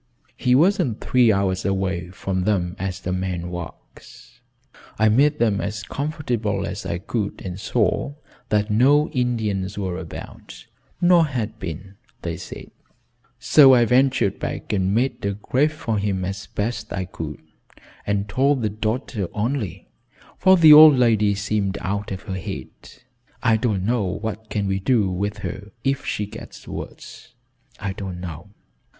He wasn't three hours away from them as a man walks. I made them as comfortable as I could and saw that no Indians were about, nor had been, they said; so I ventured back and made a grave for him as best I could, and told the daughter only, for the old lady seemed out of her head. I don't know what we can do with her if she gets worse. I don't know."